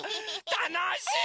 たのしい！